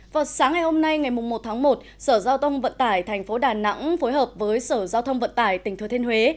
vào sáng ngày hôm nay ngày một tháng một sở giao thông vận tải tp đà nẵng phối hợp với sở giao thông vận tải tỉnh thừa thiên huế